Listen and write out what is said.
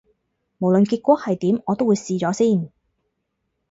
無論結果係點，我都會試咗先